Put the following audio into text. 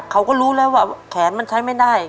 เขาก็รู้แล้วว่าแขนมันใช้ไม่ได้